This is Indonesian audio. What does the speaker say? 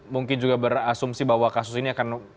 mungkin juga berasumsi bahwa kasus ini akan